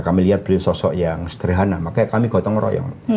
kami lihat beliau sosok yang sederhana makanya kami gotong royong